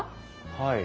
はい。